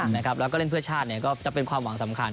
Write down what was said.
และก็เล่นเพื่อชาติเนี่ยก็เป็นความหวังสำคัญ